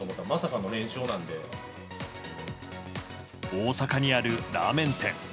大阪にあるラーメン店。